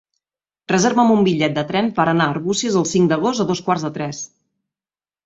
Reserva'm un bitllet de tren per anar a Arbúcies el cinc d'agost a dos quarts de tres.